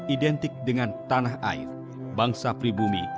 identik dengan tanah air bangsa pribumi